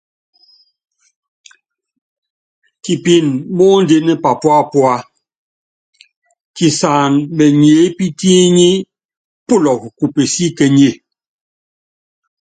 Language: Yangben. Kipin moondín papúápua, kisan menyépítíínyi pulɔk ku pesíkényé.